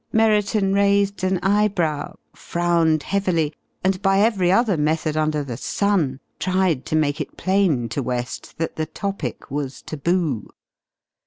Merriton raised an eyebrow, frowned heavily, and by every other method under the sun tried to make it plain to West that the topic was taboo.